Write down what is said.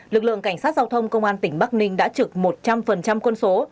lực lượng cảnh sát giao thông công an tỉnh bắc ninh đã trực một trăm linh quân số